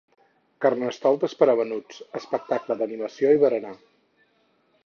Carnestoltes per a menuts: espectacle d'animació i berenar.